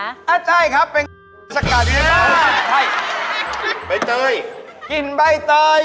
อ่าใช่ครับเป็นนึกว่าสกัดเย็น